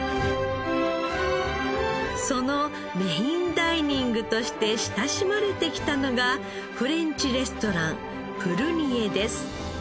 そのメインダイニングとして親しまれてきたのがフレンチレストランプルニエです。